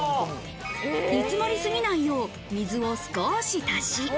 煮詰まり過ぎないよう、水を少し足し。